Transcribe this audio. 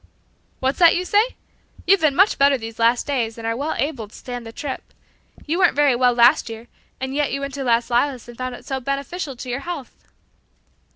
"What's that you say? You've been much better these last days and are well able to stand the trip. You weren't very well last year, and yet you went to 'Las Lilas' and found it so beneficial to your health."